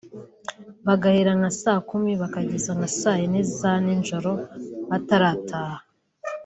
bagahera nka saa kumi bakageza saa yine za nijoro batarataha